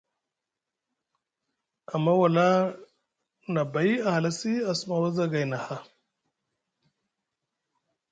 Amma wala a bay a halasi a suma wazagay nʼaha.